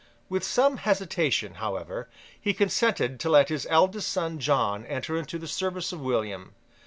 With some hesitation, however, he consented to let his eldest son John enter into the service of William.